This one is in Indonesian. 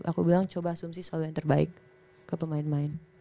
aku bilang coba asumsi selalu yang terbaik ke pemain pemain